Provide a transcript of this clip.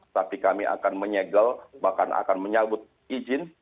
tapi kami akan menyegel bahkan akan menyambut izin